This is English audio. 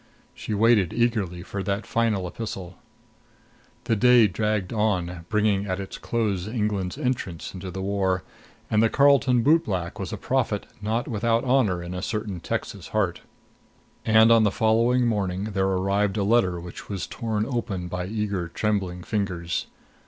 She waited eagerly for that final epistle. The day dragged on, bringing at its close England's entrance into the war; and the Carlton bootblack was a prophet not without honor in a certain Texas heart. And on the following morning there arrived a letter which was torn open by eager trembling fingers.